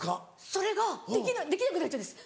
それができなくなっちゃうんです。